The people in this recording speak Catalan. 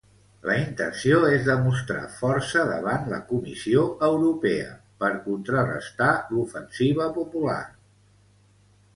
La intenció és demostrar força davant la Comissió Europea, per contrarestar l'ofensiva popular.